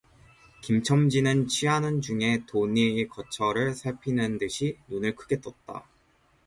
김첨지는 취한 중에도 돈의 거처를 살피는 듯이 눈을 크게 떴다